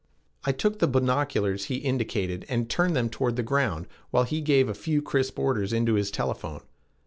I took the binoculars he indicated and turned them toward the ground while he gave a few crisp orders into his telephone.